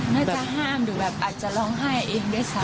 น่าจะห้ามหรือแบบอาจจะร้องไห้เองด้วยซ้ำ